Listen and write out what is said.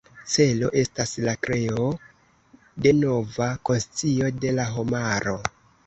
Celo estas la kreo de nova konscio de la homaro.